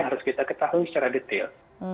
harus kita ketahui secara detail